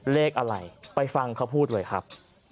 เลขอะไรไปฟังเขาพูดเลยครับ